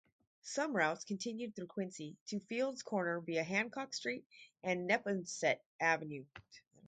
Some routes continued through Quincy to Fields Corner via Hancock Street and Neponset Avenue.